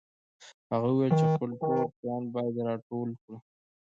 هغه وویل چې خپل ټول شیان باید راټول کړو